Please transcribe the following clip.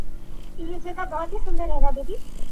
حېران شول چې زما د همت قد يې وليدو